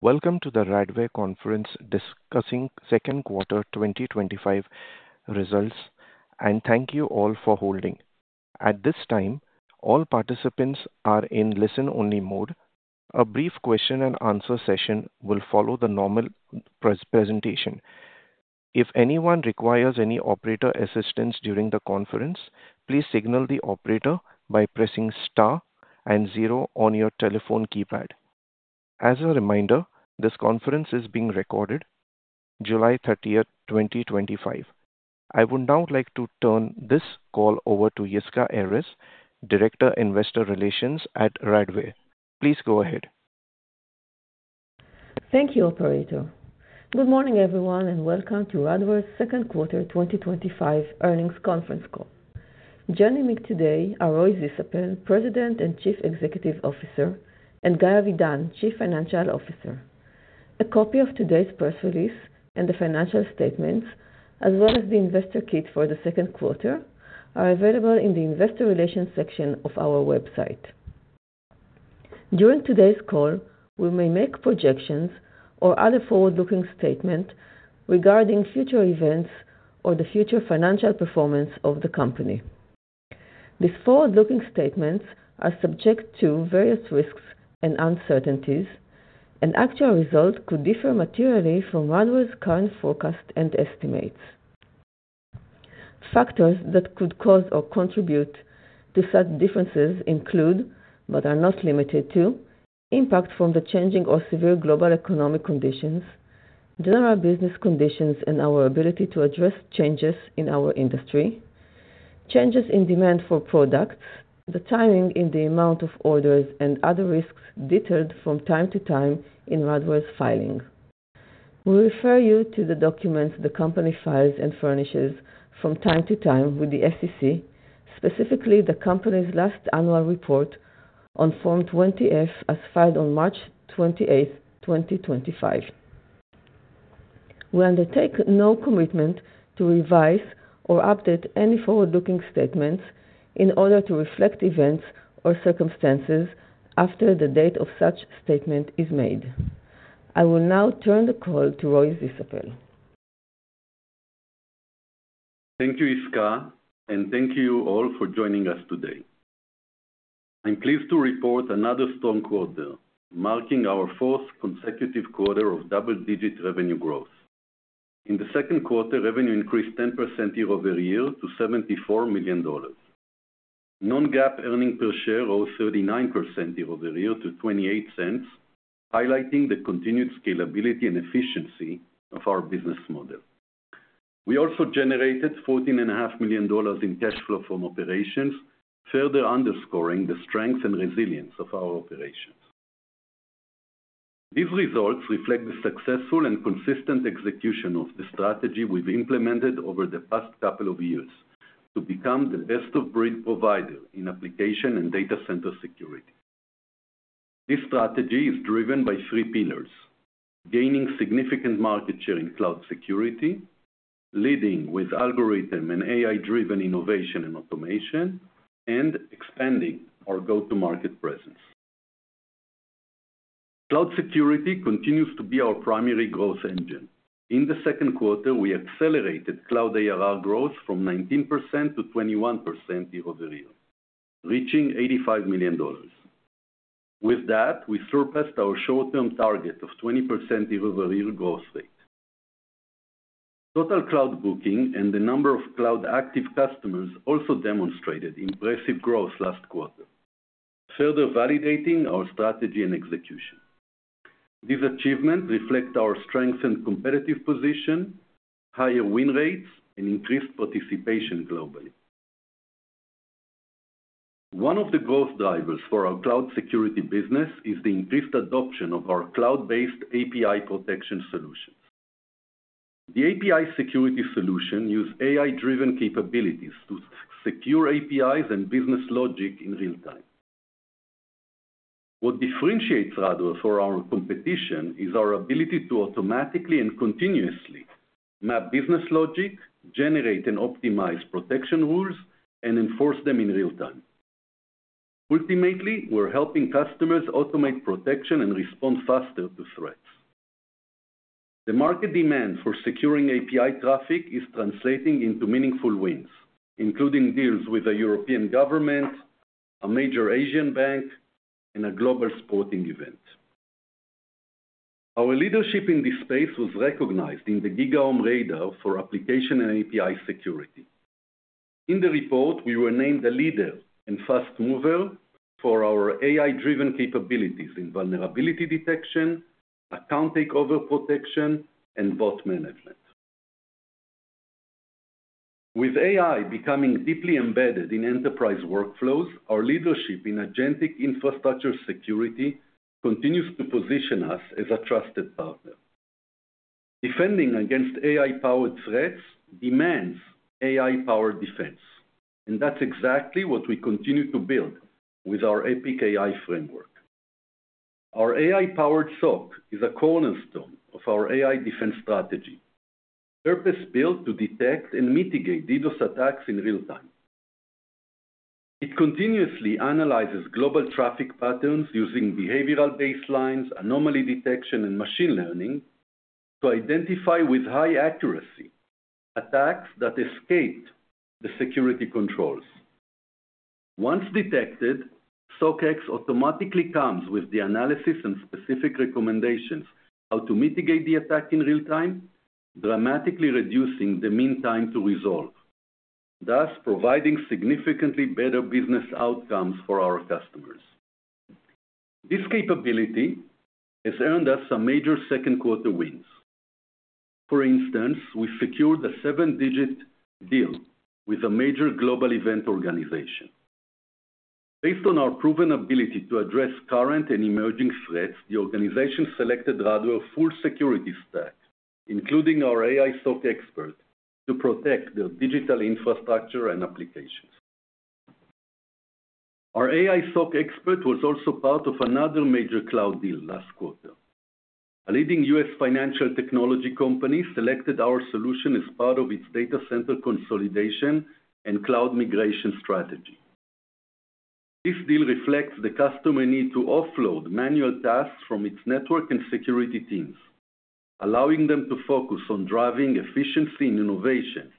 Welcome to the Radware Conference Discussing Second Quarter 2025 results, and thank you all for holding. At this time, all participants are in listen-only mode. A brief question and answer session will follow the normal presentation. If anyone requires any operator assistance during the conference, please signal the operator by pressing star and zero on your telephone keypad. As a reminder, this conference is being recorded, July 30th, 2025. I would now like to turn this call over to Yisca Erez, Director of Investor Relations at Radware. Please go ahead. Thank you, Operator. Good morning, everyone, and welcome to Radware's second quarter 2025 earnings conference call. Joining me today are Roy Zisapel, President and Chief Executive Officer, and Guy Avidan, Chief Financial Officer. A copy of today's press release and the financial statements, as well as the investor kit for the second quarter, are available in the Investor Relations section of our website. During today's call, we may make projections or other forward-looking statements regarding future events or the future financial performance of the company. These forward-looking statements are subject to various risks and uncertainties, and actual results could differ materially from Radware's current forecast and estimates. Factors that could cause or contribute to such differences include, but are not limited to, impact from the changing or severe global economic conditions, general business conditions, and our ability to address changes in our industry, changes in demand for products, the timing and the amount of orders, and other risks detailed from time to time in Radware's filings. We refer you to the documents the company files and furnishes from time to time with the SEC, specifically the company's last annual report on Form 20-F as filed on March 28, 2025. We undertake no commitment to revise or update any forward-looking statements in order to reflect events or circumstances after the date such statement is made. I will now turn the call to Roy Zisapel. Thank you, Yisca, and thank you all for joining us today. I'm pleased to report another strong quarter, marking our fourth consecutive quarter of double-digit revenue growth. In the second quarter, revenue increased 10% year-over-year to $74 million. Non-GAAP earnings per share rose 39% year-over-year to $0.28, highlighting the continued scalability and efficiency of our business model. We also generated $14.5 million in cash flow from operations, further underscoring the strength and resilience of our operations. These results reflect the successful and consistent execution of the strategy we've implemented over the past couple of years to become the best-of-breed provider in application and data center security. This strategy is driven by three pillars: gaining significant market share in cloud security, leading with algorithm and AI-driven innovation and automation, and expanding our go-to-market presence. Cloud security continues to be our primary growth engine. In the second quarter, we accelerated cloud ARR growth from 19%-21% year-over-year, reaching $85 million. With that, we surpassed our short-term target of 20% year-over-year growth rate. Total cloud booking and the number of cloud active customers also demonstrated impressive growth last quarter, further validating our strategy and execution. These achievements reflect our strengthened competitive position, higher win rates, and increased participation globally. One of the growth drivers for our cloud security business is the increased adoption of our cloud-based API protection solutions. The API security solution uses AI-driven capabilities to secure APIs and business logic in real time. What differentiates Radware from our competition is our ability to automatically and continuously map business logic, generate and optimize protection rules, and enforce them in real time. Ultimately, we're helping customers automate protection and respond faster to threats. The market demand for securing API traffic is translating into meaningful wins, including deals with the European government, a major Asian bank, and a global sporting event. Our leadership in this space was recognized in the GigaOm Radar for application and API security. In the report, we were named a leader and fast mover for our AI-driven capabilities in vulnerability detection, account takeover protection, and bot management. With AI becoming deeply embedded in enterprise workflows, our leadership in agentic infrastructure security continues to position us as a trusted partner. Defending against AI-powered threats demands AI-powered defense, and that's exactly what we continue to build with our Epic AI framework. Our AI-powered SOC is a cornerstone of our AI defense strategy, purpose-built to detect and mitigate DDoS attacks in real time. It continuously analyzes global traffic patterns using behavioral baselines, anomaly detection, and machine learning to identify with high accuracy attacks that escaped the security controls. Once detected, SOC X automatically comes with the analysis and specific recommendations how to mitigate the attack in real time, dramatically reducing the mean time to resolve, thus providing significantly better business outcomes for our customers. This capability has earned us some major second quarter wins. For instance, we secured a seven-digit deal with a major global event organization. Based on our proven ability to address current and emerging threats, the organization selected Radware's full security stack, including our AI SOC expert, to protect their digital infrastructure and applications. Our AI SOC expert was also part of another major cloud deal last quarter. A leading U.S. financial technology company selected our solution as part of its data center consolidation and cloud migration strategy. This deal reflects the customer's need to offload manual tasks from its network and security teams, allowing them to focus on driving efficiency and innovation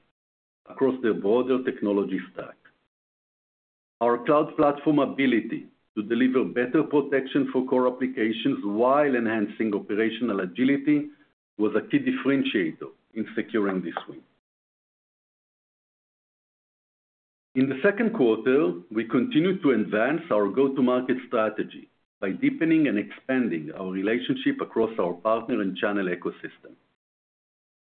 across their broader technology stack. Our cloud platform's ability to deliver better protection for core applications while enhancing operational agility was a key differentiator in securing this win. In the second quarter, we continue to advance our go-to-market strategy by deepening and expanding our relationship across our partner and channel ecosystem.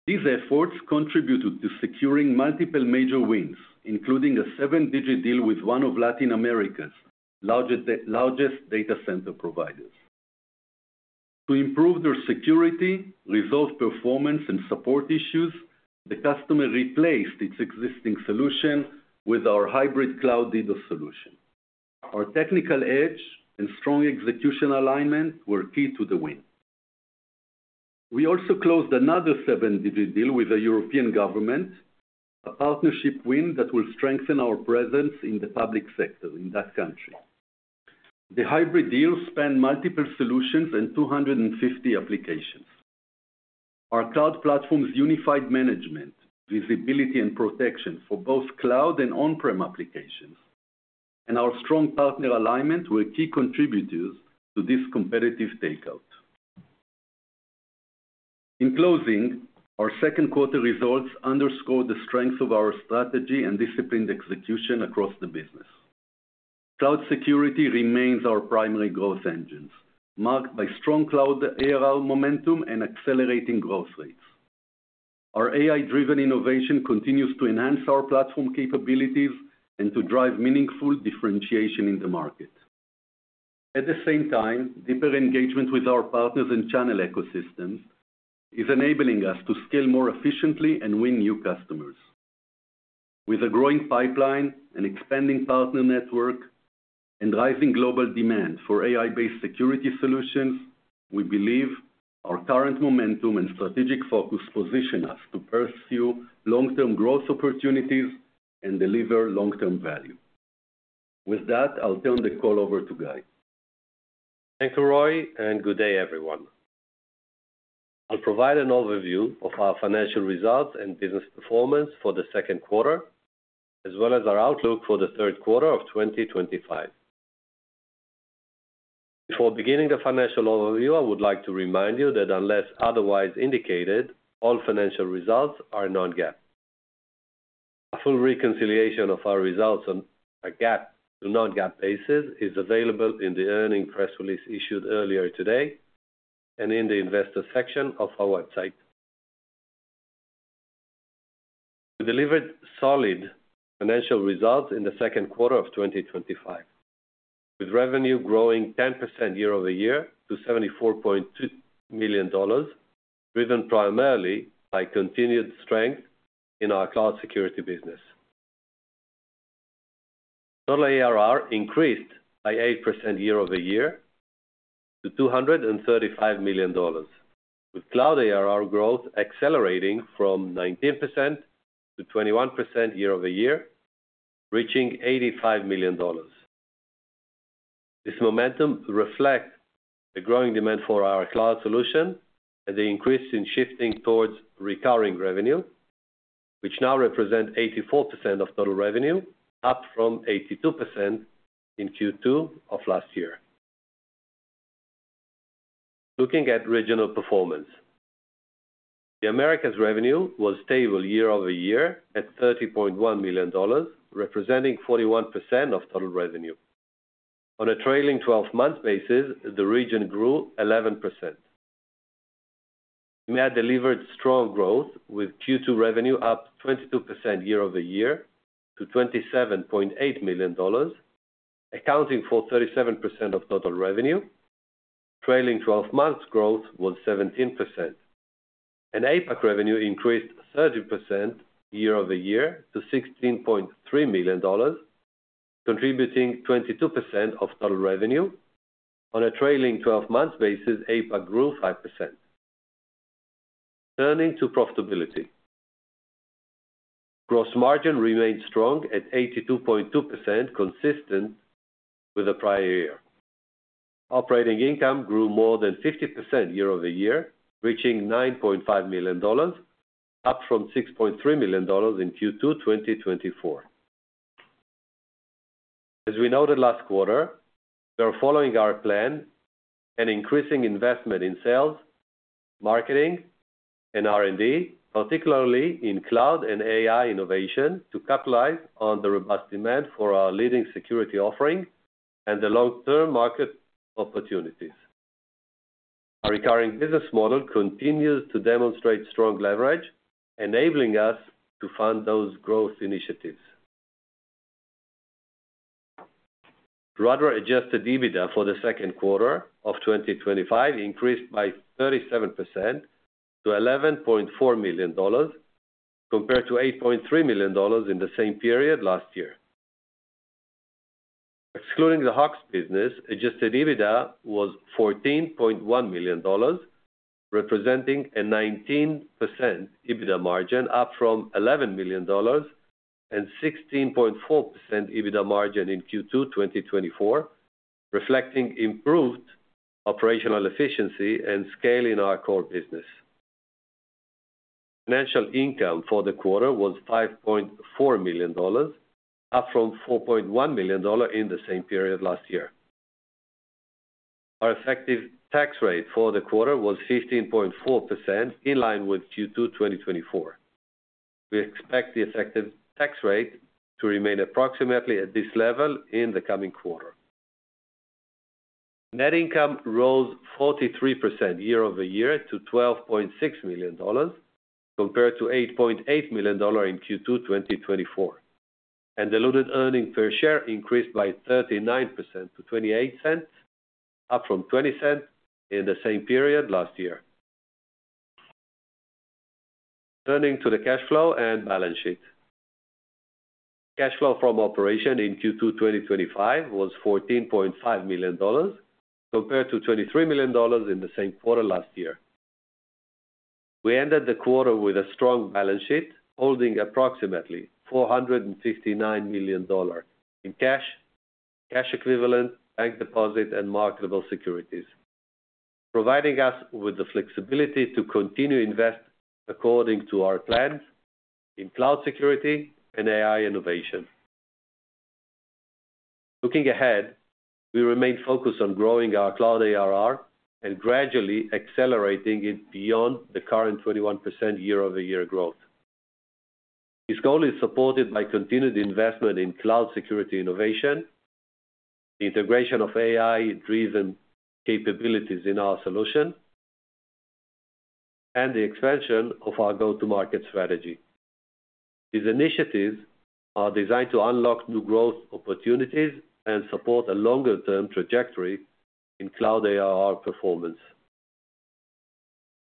These efforts contributed to securing multiple major wins, including a seven-digit deal with one of Latin America's largest data center providers. To improve their security, resolve performance, and support issues, the customer replaced its existing solution with our hybrid cloud DDoS solution. Our technical edge and strong execution alignment were key to the win. We also closed another seven-digit deal with the European government, a partnership win that will strengthen our presence in the public sector in that country. The hybrid deal spanned multiple solutions and 250 applications. Our cloud platform's unified management, visibility, and protection for both cloud and on-prem applications, and our strong partner alignment were key contributors to this competitive takeout. In closing, our second quarter results underscore the strength of our strategy and disciplined execution across the business. Cloud security remains our primary growth engines, marked by strong cloud ARR momentum and accelerating growth rates. Our AI-driven innovation continues to enhance our platform capabilities and to drive meaningful differentiation in the market. At the same time, deeper engagement with our partners and channel ecosystems is enabling us to scale more efficiently and win new customers. With a growing pipeline and expanding partner network and rising global demand for AI security solutions, we believe our current momentum and strategic focus position us to pursue long-term growth opportunities and deliver long-term value. With that, I'll turn the call over to Guy. Thank you, Roy, and good day, everyone. I'll provide an overview of our financial results and business performance for the second quarter, as well as our outlook for the third quarter of 2025. Before beginning the financial overview, I would like to remind you that unless otherwise indicated, all financial results are non-GAAP. A full reconciliation of our results on a GAAP to non-GAAP basis is available in the earnings press release issued earlier today and in the investor section of our website. We delivered solid financial results in the second quarter of 2025, with revenue growing 10% year-over-year to $74.2 million, driven primarily by continued strength in our cloud security business. Total ARR increased by 8% year-over-year to $235 million, with cloud ARR growth accelerating from 19%-21% year-over-year, reaching $85 million. This momentum reflects the growing demand for our cloud solution and the increase in shifting towards recurring revenue, which now represents 84% of total revenue, up from 82% in Q2 of last year. Looking at regional performance, the Americas revenue was stable year-over-year at $30.1 million, representing 41% of total revenue. On a trailing 12-month basis, the region grew 11%. We had delivered strong growth, with Q2 revenue up 22% year-over-year to $27.8 million, accounting for 37% of total revenue. Trailing 12 months' growth was 17%. APAC revenue increased 30% year-over-year to $16.3 million, contributing 22% of total revenue. On a trailing 12-month basis, APAC grew 5%. Turning to profitability, gross margin remained strong at 82.2%, consistent with the prior year. Operating income grew more than 50% year-over-year, reaching $9.5 million, up from $6.3 million in Q2 2024. As we noted last quarter, we are following our plan and increasing investment in sales, marketing, and R&D, particularly in cloud and AI innovation, to capitalize on the robust demand for our leading security offering and the long-term market opportunities. Our recurring business model continues to demonstrate strong leverage, enabling us to fund those growth initiatives. Radware adjusted EBITDA for the second quarter of 2025 increased by 37% to $11.4 million, compared to $8.3 million in the same period last year. Excluding the Hawks business, adjusted EBITDA was $14.1 million, representing a 19% EBITDA margin, up from $11 million and 16.4% EBITDA margin in Q2 2024, reflecting improved operational efficiency and scaling our core business. Financial income for the quarter was $5.4 million, up from $4.1 million in the same period last year. Our effective tax rate for the quarter was 15.4%, in line with Q2 2024. We expect the effective tax rate to remain approximately at this level in the coming quarter. Net income rose 43% year-over-year to $12.6 million, compared to $8.8 million in Q2 2024. Diluted earnings per share increased by 39% to $0.28, up from $0.20 in the same period last year. Turning to the cash flow and balance sheet, cash flow from operation in Q2 2025 was $14.5 million, compared to $23 million in the same quarter last year. We ended the quarter with a strong balance sheet, holding approximately $459 million in cash, cash equivalent, bank deposit, and marketable securities, providing us with the flexibility to continue to invest according to our plans in cloud security and AI innovation. Looking ahead, we remain focused on growing our cloud ARR and gradually accelerating it beyond the current 21% year-over-year growth. This goal is supported by continued investment in cloud security innovation, the integration of AI-driven capabilities in our solution, and the expansion of our go-to-market strategy. These initiatives are designed to unlock new growth opportunities and support a longer-term trajectory in cloud ARR performance.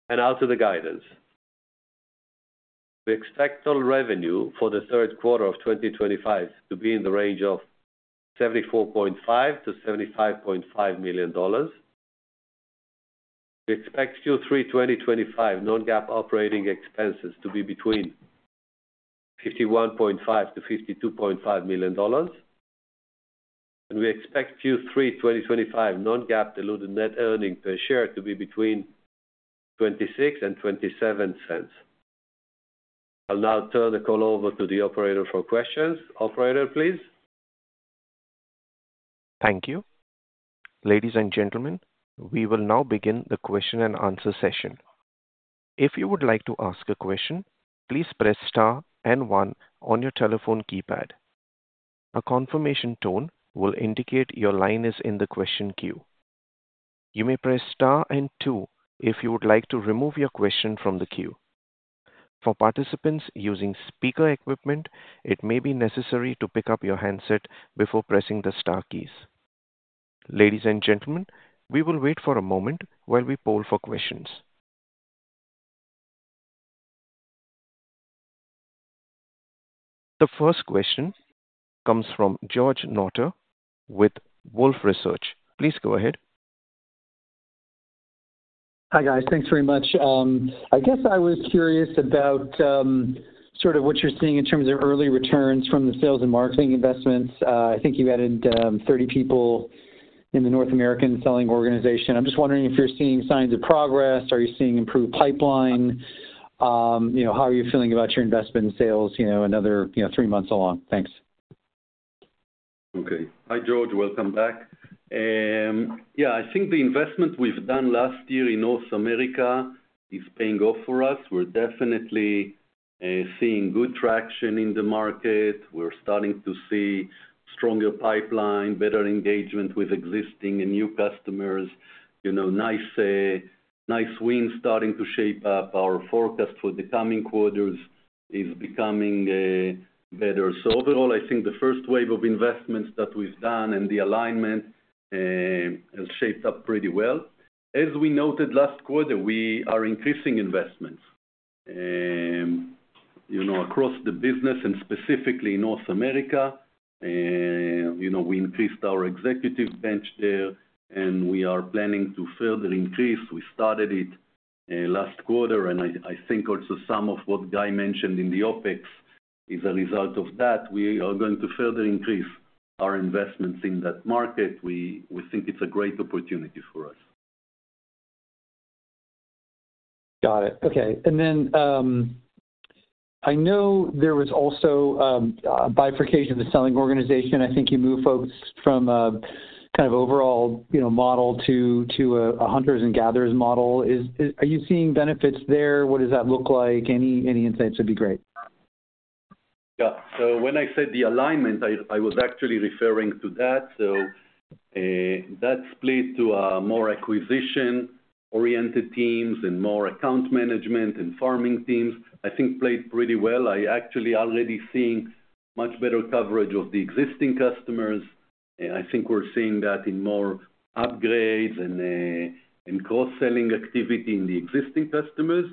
Now to the guidance. We expect total revenue for the third quarter of 2025 to be in the range of $74.5-$75.5 million. We expect Q3 2025 non-GAAP operating expenses to be between $51.5-$52.5 million. We expect Q3 2025 non-GAAP diluted net earnings per share to be between $0.26-$0.27. I'll now turn the call over to the operator for questions. Operator, please. Thank you. Ladies and gentlemen, we will now begin the question and answer session. If you would like to ask a question, please press star and one on your telephone keypad. A confirmation tone will indicate your line is in the question queue. You may press star and two if you would like to remove your question from the queue. For participants using speaker equipment, it may be necessary to pick up your handset before pressing the star keys. Ladies and gentlemen, we will wait for a moment while we poll for questions. The first question comes from George Charles Notter with Wolfe Research. Please go ahead. Hi, guys. Thanks very much. I guess I was curious about sort of what you're seeing in terms of early returns from the sales and marketing investments. I think you added 30 people in the North American selling organization. I'm just wondering if you're seeing signs of progress. Are you seeing improved pipeline? How are you feeling about your investment in sales another three months along? Thanks. OK. Hi, George. Welcome back. I think the investment we've done last year in North America is paying off for us. We're definitely seeing good traction in the market. We're starting to see a stronger pipeline, better engagement with existing and new customers. Nice wins starting to shape up. Our forecast for the coming quarters is becoming better. Overall, I think the first wave of investments that we've done and the alignment has shaped up pretty well. As we noted last quarter, we are increasing investments across the business and specifically in North America. We increased our executive bench there, and we are planning to further increase. We started it last quarter, and I think also some of what Guy mentioned in the OpEx is a result of that. We are going to further increase our investments in that market. We think it's a great opportunity for us. Got it. OK. I know there was also a bifurcation of the selling organization. I think you moved folks from a kind of overall model to a hunters and gatherers sales model. Are you seeing benefits there? What does that look like? Any insights would be great. Yeah. When I said the alignment, I was actually referring to that. That split to more acquisition-oriented teams and more account management and farming teams. I think it played pretty well. I actually already see much better coverage of the existing customers. I think we're seeing that in more upgrades and cross-selling activity in the existing customers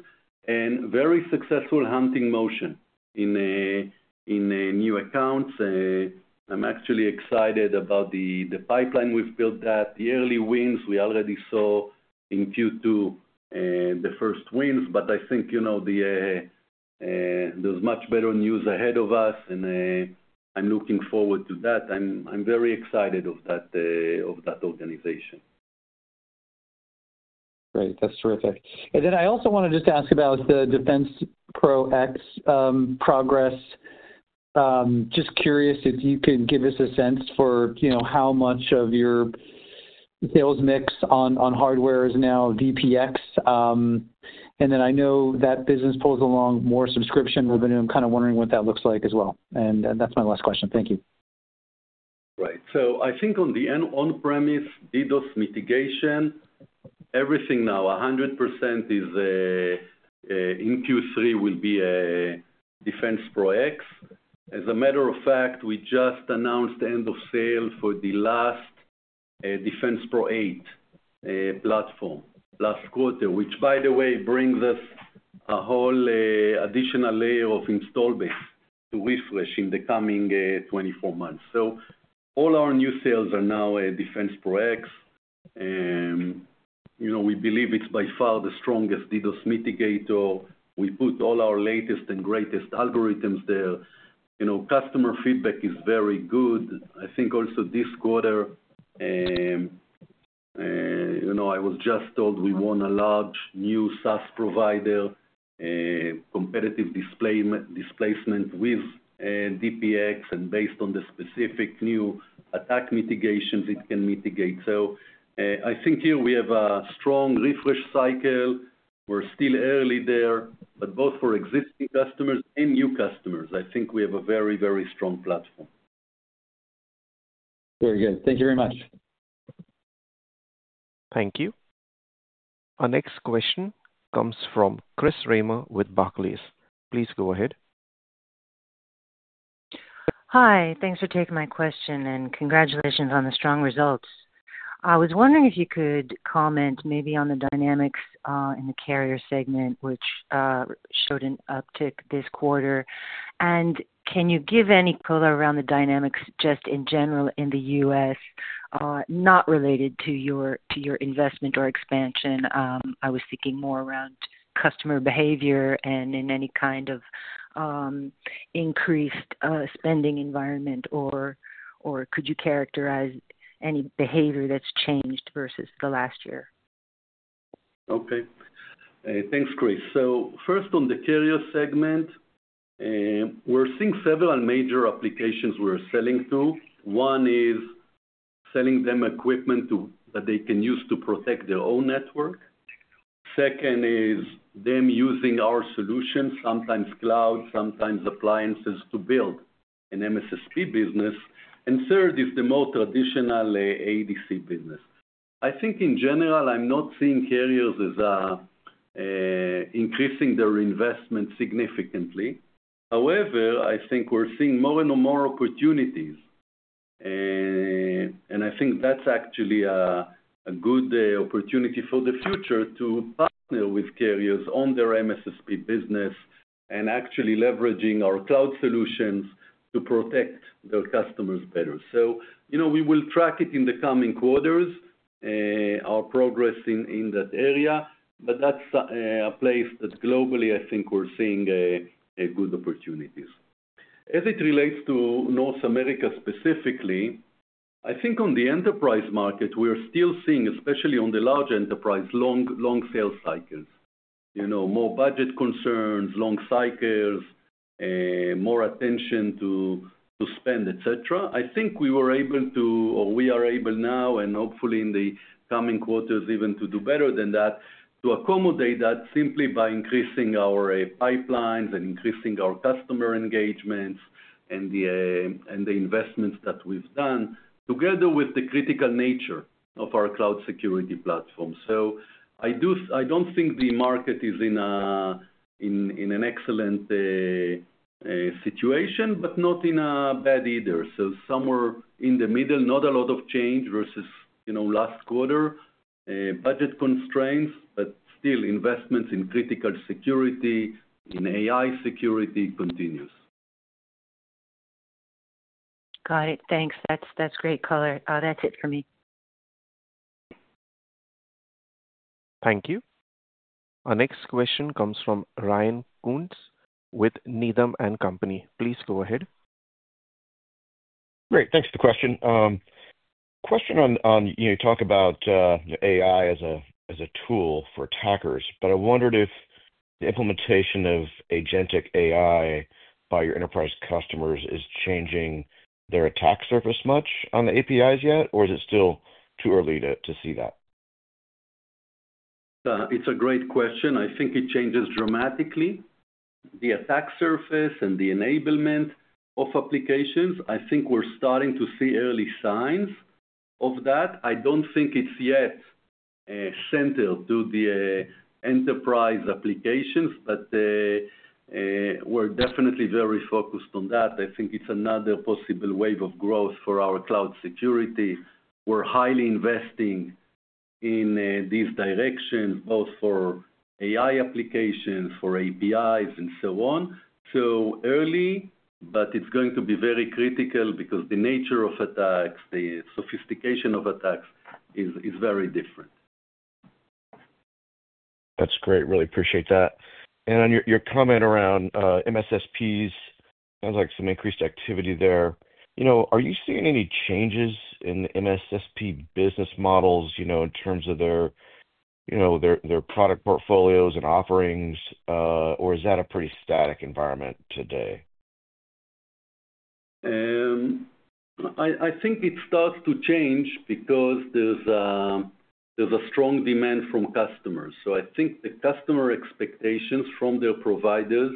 and very successful hunting motion in new accounts. I'm actually excited about the pipeline we've built. The early wins we already saw in Q2, the first wins. I think there's much better news ahead of us, and I'm looking forward to that. I'm very excited of that organization. Great. That's terrific. I also want to just ask about the DefensePro X progress. Just curious if you can give us a sense for how much of your sales mix on hardware is now DPX. I know that business pulls along more subscription revenue. I'm kind of wondering what that looks like as well. That's my last question. Thank you. Right. I think on the end on-premise DDoS mitigation, everything now 100% in Q3 will be DefensePro X. As a matter of fact, we just announced end of sale for the last DefensePro 8 platform last quarter, which, by the way, brings us a whole additional layer of install base to refresh in the coming 24 months. All our new sales are now DefensePro X. We believe it's by far the strongest DDoS mitigator. We put all our latest and greatest algorithms there. Customer feedback is very good. I think also this quarter, I was just told we won a large new SaaS provider, competitive displacement with DPX, and based on the specific new attack mitigations it can mitigate. I think here we have a strong refresh cycle. We're still early there, but both for existing customers and new customers, I think we have a very, very strong platform. Very good. Thank you very much. Thank you. Our next question comes from Chris Reimer with Barclays. Please go ahead. Hi. Thanks for taking my question and congratulations on the strong results. I was wondering if you could comment maybe on the dynamics in the carrier segment, which showed an uptick this quarter. Can you give any pull around the dynamics just in general in the U.S., not related to your investment or expansion? I was thinking more around customer behavior in any kind of increased spending environment. Could you characterize any behavior that's changed versus last year? OK. Thanks, Chris. First, on the carrier segment, we're seeing several major applications we're selling to. One is selling them equipment that they can use to protect their own network. Second is them using our solutions, sometimes cloud, sometimes appliances, to build an MSSP business. Third is the more traditional ADC business. I think in general, I'm not seeing carriers as increasing their investment significantly. However, I think we're seeing more and more opportunities. I think that's actually a good opportunity for the future to partner with carriers on their MSSP business and actually leveraging our cloud solutions to protect their customers better. We will track it in the coming quarters, our progress in that area. That's a place that globally, I think we're seeing good opportunities. As it relates to North America specifically, I think on the enterprise market, we are still seeing, especially on the large enterprise, long sales cycles, more budget concerns, long cycles, more attention to spend, etc. I think we were able to, or we are able now, and hopefully in the coming quarters, even to do better than that, to accommodate that simply by increasing our pipelines and increasing our customer engagements and the investments that we've done, together with the critical nature of our cloud security platform. I don't think the market is in an excellent situation, but not in a bad either. Somewhere in the middle, not a lot of change versus last quarter, budget constraints, but still investments in critical security, in AI security continues. Got it. Thanks. That's great color. That's it for me. Thank you. Our next question comes from Ryan Koontz with Needham & Company. Please go ahead. Great. Thanks for the question. Question on, you talk about AI as a tool for attackers, but I wondered if the implementation of agentic AI by your enterprise customers is changing their attack surface much on the APIs yet, or is it still too early to see that? It's a great question. I think it changes dramatically. The attack surface and the enablement of applications, I think we're starting to see early signs of that. I don't think it's yet centered to the enterprise applications, but we're definitely very focused on that. I think it's another possible wave of growth for our cloud security. We're highly investing in these directions, both for AI applications, for APIs, and so on. It's early, but it's going to be very critical because the nature of attacks, the sophistication of attacks is very different. That's great. Really appreciate that. On your comment around MSSPs, sounds like some increased activity there. Are you seeing any changes in MSSP business models in terms of their product portfolios and offerings, or is that a pretty static environment today? I think it starts to change because there's a strong demand from customers. I think the customer expectations from their providers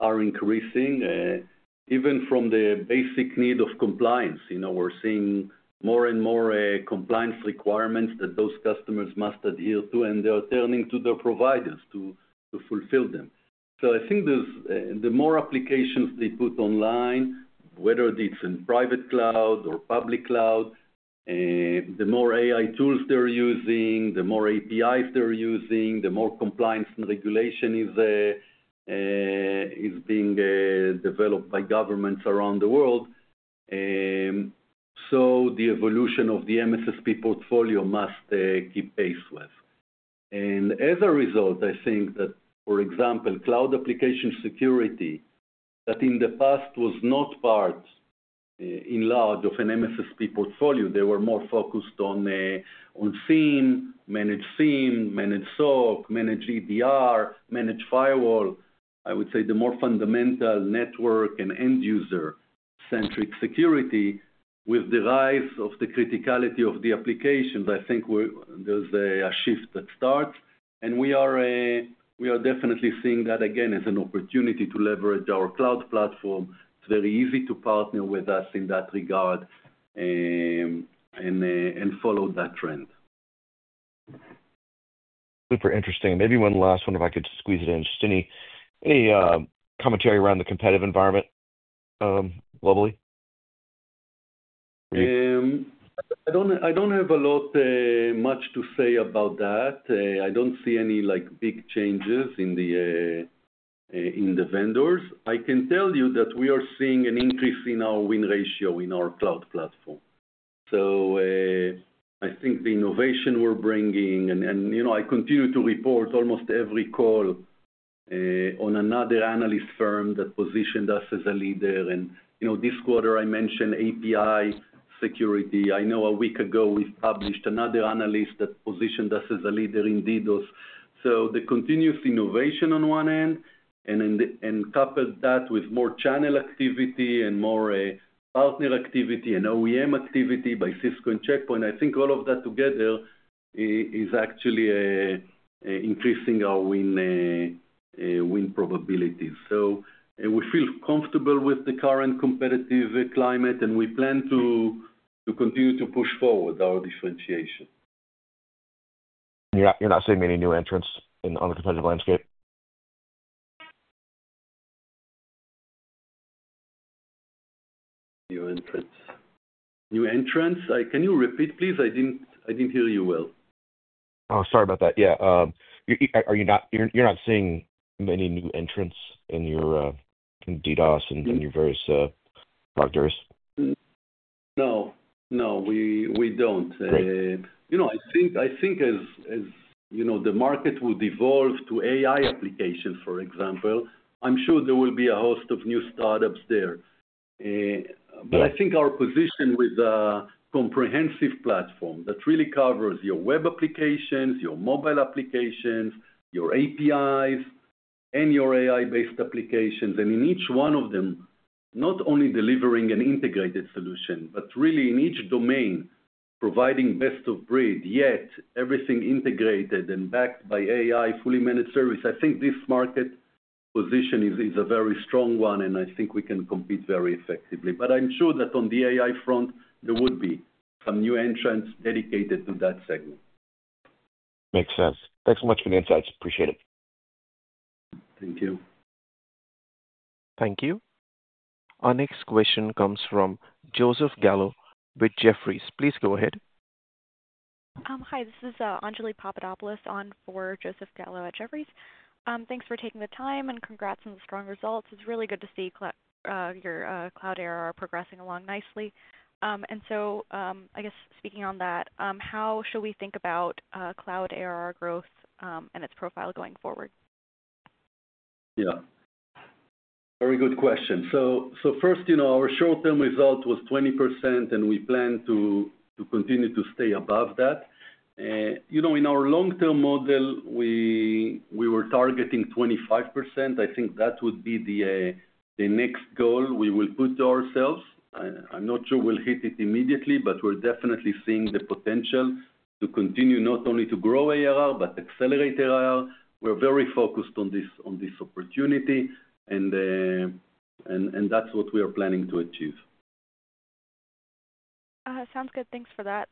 are increasing, even from the basic need of compliance. We're seeing more and more compliance requirements that those customers must adhere to, and they are turning to their providers to fulfill them. I think the more applications they put online, whether it's in private cloud or public cloud, the more AI tools they're using, the more APIs they're using, the more compliance and regulation is being developed by governments around the world. The evolution of the MSSP portfolio must keep pace with that. For example, cloud application security that in the past was not part in large of an MSSP portfolio, they were more focused on SIEM, managed SIEM, managed SOC, managed EDR, managed firewall. I would say the more fundamental network and end-user-centric security, with the rise of the criticality of the applications, I think there's a shift that starts. We are definitely seeing that again as an opportunity to leverage our cloud platform. It's very easy to partner with us in that regard and follow that trend. Super interesting. Maybe one last one, if I could squeeze it in, just any commentary around the competitive environment globally? I don't have a lot to say about that. I don't see any big changes in the vendors. I can tell you that we are seeing an increase in our win ratio in our cloud platform. I think the innovation we're bringing, and I continue to report almost every call on another analyst firm that positioned us as a leader. This quarter, I mentioned API security. A week ago, we published another analyst that positioned us as a leader in DDoS. The continuous innovation on one end, coupled with more channel activity and more partner activity and OEM activity by Cisco and Check Point, I think all of that together is actually increasing our win probabilities. We feel comfortable with the current competitive climate, and we plan to continue to push forward our differentiation. You're not seeing many new entrants on the competitive landscape? New entrants? Can you repeat, please? I didn't hear you well. Sorry about that. Are you not seeing many new entrants in your DDoS and your various product areas? No, we don't. I think as the market will devolve to AI applications, for example, I'm sure there will be a host of new startups there. I think our position with a comprehensive platform that really covers your web applications, your mobile applications, your APIs, and your AI-based applications, and in each one of them, not only delivering an integrated solution, but really in each domain, providing best-of-breed, yet everything integrated and backed by AI, fully managed service, I think this market position is a very strong one. I think we can compete very effectively. I'm sure that on the AI front, there would be some new entrants dedicated to that segment. Makes sense. Thanks so much for the insights. Appreciate it. Thank you. Thank you. Our next question comes from Joseph Gallo with Jefferies. Please go ahead. Hi. This is Anjali Papadopoulos on for Joseph Gallo at Jefferies. Thanks for taking the time, and congrats on the strong results. It's really good to see your cloud ARR progressing along nicely. I guess speaking on that, how should we think about cloud ARR growth and its profile going forward? Very good question. First, you know our short-term result was 20%, and we plan to continue to stay above that. In our long-term model, we were targeting 25%. I think that would be the next goal we will put to ourselves. I'm not sure we'll hit it immediately, but we're definitely seeing the potential to continue not only to grow ARR, but accelerate ARR. We're very focused on this opportunity, and that's what we are planning to achieve. Sounds good. Thanks for that.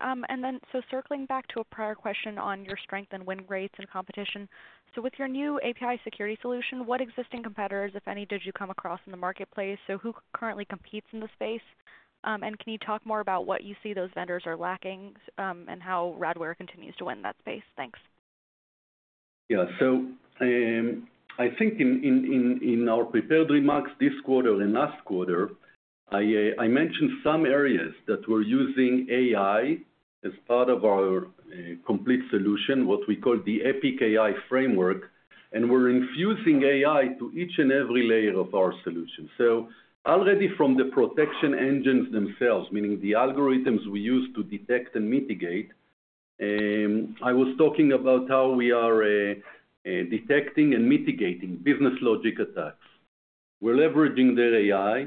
Circling back to a prior question on your strength in win rates and competition, with your new API security solution, what existing competitors, if any, did you come across in the marketplace? Who currently competes in the space? Can you talk more about what you see those vendors are lacking and how Radware continues to win that space? Thanks. Yeah. I think in our prepared remarks this quarter and last quarter, I mentioned some areas that we're using AI as part of our complete solution, what we call the Epic AI framework. We're infusing AI to each and every layer of our solution. Already from the protection engines themselves, meaning the algorithms we use to detect and mitigate, I was talking about how we are detecting and mitigating business logic attacks. We're leveraging there AI.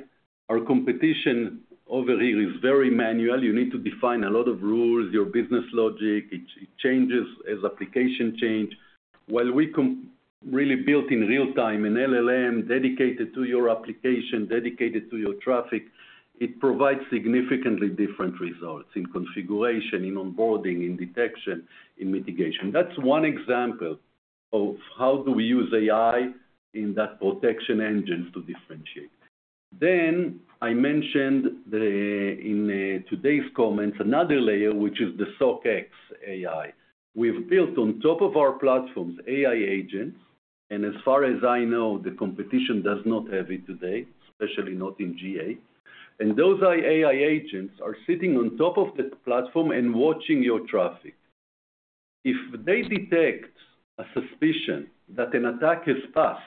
Our competition over here is very manual. You need to define a lot of rules, your business logic. It changes as applications change. While we really built in real time an LLM dedicated to your application, dedicated to your traffic, it provides significantly different results in configuration, in onboarding, in detection, in mitigation. That's one example of how do we use AI in that protection engine to differentiate. I mentioned in today's comments another layer, which is the SOC X AI. We've built on top of our platforms AI agents. As far as I know, the competition does not have it today, especially not in GA. Those AI agents are sitting on top of the platform and watching your traffic. If they detect a suspicion that an attack has passed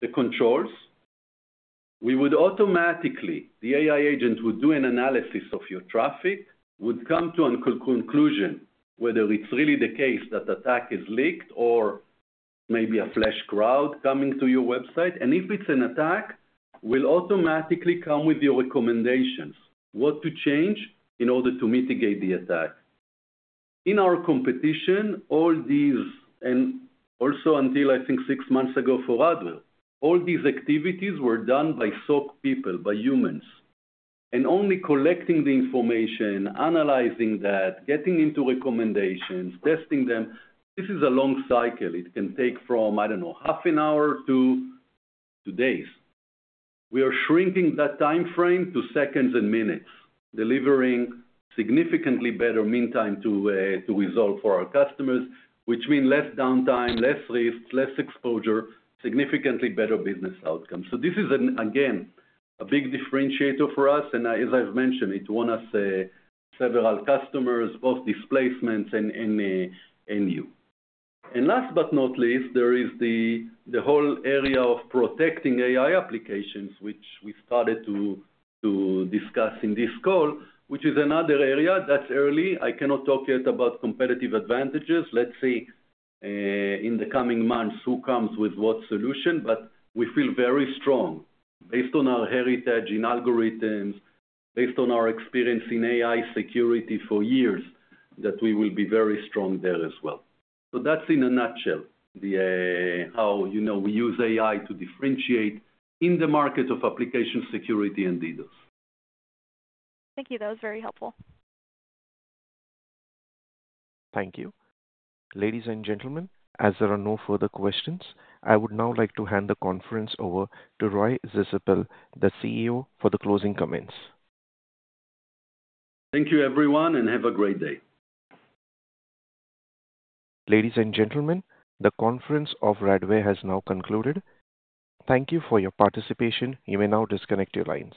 the controls, we would automatically, the AI agent would do an analysis of your traffic, would come to a conclusion whether it's really the case that the attack is leaked or maybe a flash crowd coming to your website. If it's an attack, we'll automatically come with your recommendations, what to change in order to mitigate the attack. In our competition, all these, and also until, I think, six months ago for Radware, all these activities were done by SOC people, by humans. Only collecting the information, analyzing that, getting into recommendations, testing them, this is a long cycle. It can take from, I don't know, half an hour to two days. We are shrinking that time frame to seconds and minutes, delivering significantly better meantime to resolve for our customers, which means less downtime, less risks, less exposure, significantly better business outcomes. This is, again, a big differentiator for us. As I've mentioned, it won us several customers, both displacements and you. Last but not least, there is the whole area of protecting AI applications, which we started to discuss in this call, which is another area that's early. I cannot talk yet about competitive advantages. Let's see in the coming months who comes with what solution. We feel very strong, based on our heritage in algorithms, based on our experience in AI security for years, that we will be very strong there as well. That's in a nutshell how we use AI to differentiate in the market of application security and DDoS. Thank you. That was very helpful. Thank you. Ladies and gentlemen, as there are no further questions, I would now like to hand the conference over to Roy Zisapel, the CEO, for the closing comments. Thank you, everyone, and have a great day. Ladies and gentlemen, the conference of Radware has now concluded. Thank you for your participation. You may now disconnect your lines.